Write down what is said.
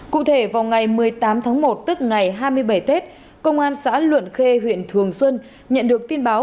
cụ thể vào ngày một mươi tám tháng một tức ngày hai mươi bảy tết công an xã luận khê huyện thường xuân nhận được tin báo